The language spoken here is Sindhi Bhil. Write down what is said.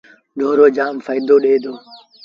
ڍورو جآم ڦآئيدو ڏي دو۔